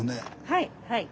はいはい。